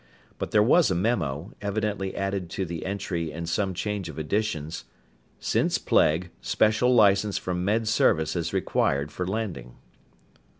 But there was a memo, evidently added to the entry in some change of editions: "_Since plague, special license from Med Service is required for landing.